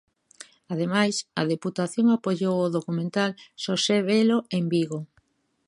Ademais, a deputación apoiou o documental Xosé Velo en Vigo.